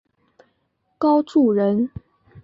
高翥人。